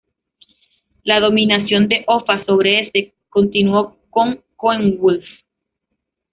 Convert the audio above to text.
La dominación de Offa sobre Essex continuó con Coenwulf.